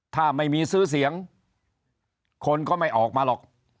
ถ้าไม่มีซื้อเสียงคนก็ไม่ออกมาหรอก